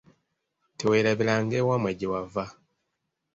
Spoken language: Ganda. Teweerabiranga ewammwe gye wava.